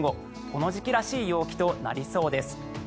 この時期らしい陽気となりそうです。